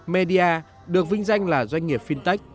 media được vinh danh là doanh nghiệp fintech